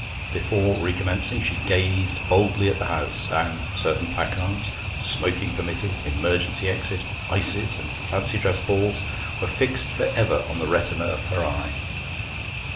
Before recommencing she gazed boldly at the house, and certain placards 'Smoking permitted,' 'Emergency exit,' 'Ices,' and 'Fancy Dress Balls' were fixed for ever on the retina of her eye.